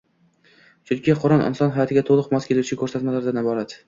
Chunki Qur’on inson hayotiga to‘liq mos keluvchi ko‘rsatmalardan iborat.